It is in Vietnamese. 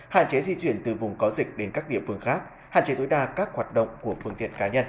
hạn chế di chuyển từ vùng có dịch đến các địa phương khác hạn chế tối đa các hoạt động của phương tiện cá nhân